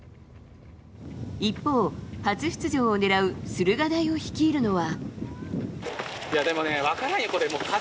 一方、初出場を狙う駿河台を率いるのは。